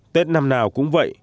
tết năm nào cũng vậy